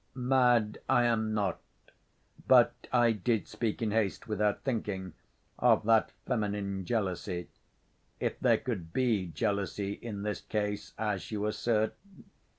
"Mad I am not, but I did speak in haste, without thinking ... of that feminine jealousy ... if there could be jealousy in this case, as you assert